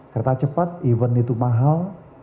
kereta cepat event itu mahal